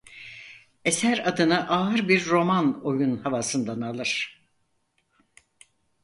Eser adını ağır bir Roman oyun havasından alır.